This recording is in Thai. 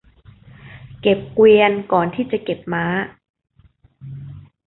เก็บเกวียนก่อนที่จะเก็บม้า